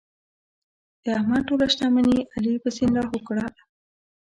د احمد ټوله شتمني علي په سیند لاهو کړله.